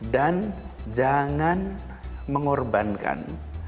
dan jangan mengorbankan